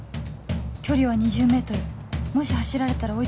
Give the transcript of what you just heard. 距離は ２０ｍ もし走られたら追い付けない